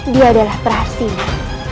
dia adalah perahasimu